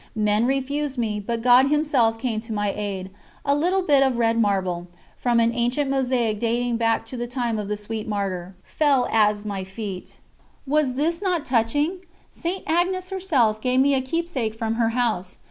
Men refused me, but God Himself came to my aid: a little bit of red marble, from an ancient mosaic dating back to the time of the sweet martyr, fell as my feet. Was this not touching? St. Agnes herself gave me a keepsake from her house.